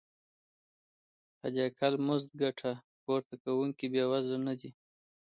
حداقل مزد ګټه پورته کوونکي بې وزله نه دي.